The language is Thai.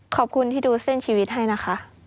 ขอบคุณที่ดูเส้นชีวิตให้นะคะ